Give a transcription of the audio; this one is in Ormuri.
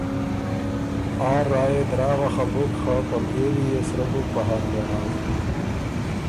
آ رایٛ يې دراغه خه بُک خه په بيېلی يې سرۀ بُک په هر لحاظ۔